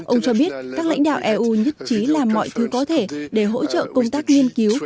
ông cho biết các lãnh đạo eu nhất trí làm mọi thứ có thể để hỗ trợ công tác nghiên cứu